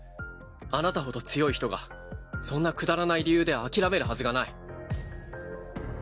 あなたほど強い人がそんなくだらない理由で諦めるはずがない。